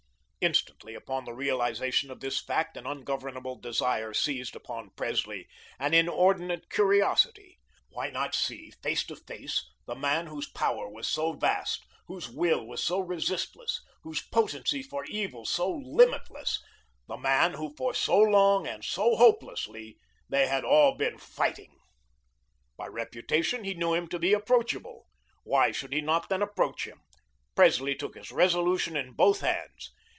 Instantly, upon the realisation of this fact an ungovernable desire seized upon Presley, an inordinate curiosity. Why not see, face to face, the man whose power was so vast, whose will was so resistless, whose potency for evil so limitless, the man who for so long and so hopelessly they had all been fighting. By reputation he knew him to be approachable; why should he not then approach him? Presley took his resolution in both hands.